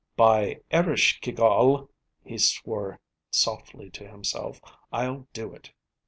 "By Ereshkigal," he swore softly to himself, "I'll do it."